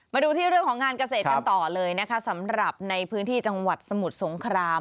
มาดูที่เรื่องของงานเกษตรกันต่อเลยนะคะสำหรับในพื้นที่จังหวัดสมุทรสงคราม